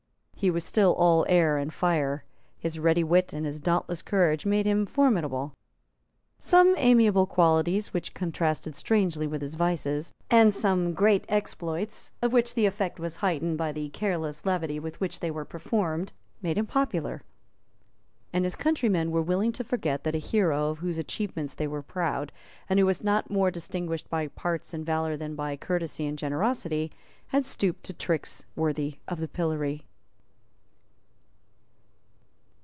He was still all air and fire. His ready wit and his dauntless courage made him formidable; some amiable qualities which contrasted strangely with his vices, and some great exploits of which the effect was heightened by the careless levity with which they were performed, made him popular; and his countrymen were willing to forget that a hero of whose achievements they were proud, and who was not more distinguished by parts and valour than by courtesy and generosity, had stooped to tricks worthy of the pillory.